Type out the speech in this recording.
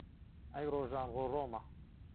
ئهی رۆژان رۆڕۆمه